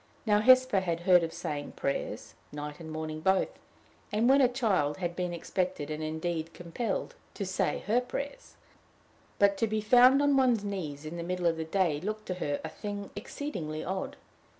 Now, Hesper had heard of saying prayers night and morning both and, when a child, had been expected, and indeed compelled, to say her prayers; but to be found on one's knees in the middle of the day looked to her a thing exceedingly odd.